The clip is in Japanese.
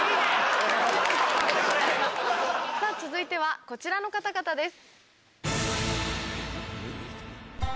さぁ続いてはこちらの方々です。